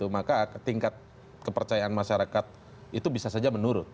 maka tingkat kepercayaan masyarakat itu bisa saja menurun